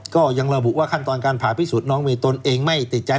ก็ยังระบุว่าขั้นตอนการผ่าพิสูจน์น้องเมตนเองไม่ติดใจ